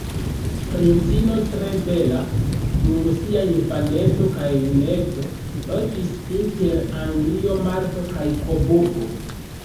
Princino tre bela, dum sia infaneco kaj juneco loĝis inter Anglio, Malto kaj Koburgo.